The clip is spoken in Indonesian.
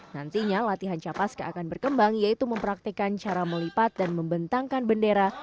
nantinya latihan capaska akan berkembang yaitu mempraktekan cara melipat dan membentangkan bendera